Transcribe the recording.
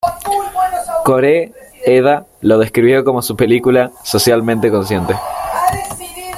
Kore-eda lo describió como su película "socialmente consciente".